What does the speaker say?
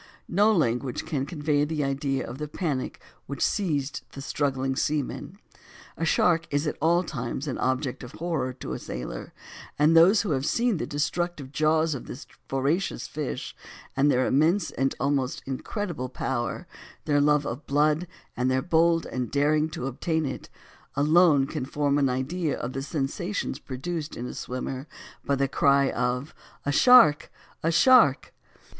No language can convey an idea of the panic which seized the struggling seamen; a shark is at all times an object of horror to a sailor; and those who have seen the destructive jaws of this voracious fish, and their immense and almost incredible power their love of blood and their bold daring to obtain it, alone can form an idea of the sensations produced in a swimmer by the cry of "a shark! a shark!"